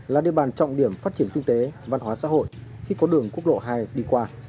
là địa bàn trọng điểm phát triển kinh tế văn hóa xã hội khi có đường quốc lộ hai đi qua